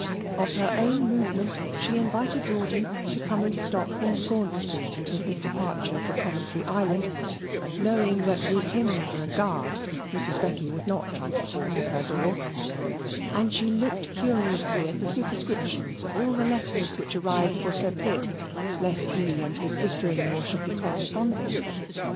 Of her own movement, she invited Rawdon to come and stop in Gaunt Street until his departure for Coventry Island, knowing that with him for a guard Mrs. Becky would not try to force her door; and she looked curiously at the superscriptions of all the letters which arrived for Sir Pitt, lest he and his sister in law should be corresponding.